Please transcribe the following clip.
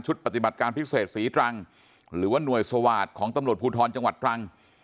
ปฏิบัติการพิเศษศรีตรังหรือว่าหน่วยสวาสตร์ของตำรวจภูทรจังหวัดตรัง